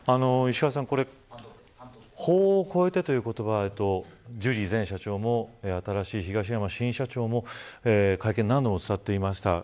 石川さん法を超えて、という言葉をジュリー前社長も新しい東山新社長も会見で何度も使ってました。